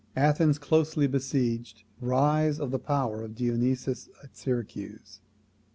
Athens closely besieged. Rise of the power of Dionysius at Syracuse.